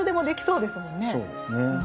そうですね。